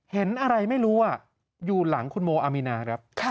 เห็นอะไรไม่รู้อยู่หลังคุณโมอามีนาครับ